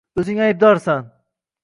O`zing aybdorsan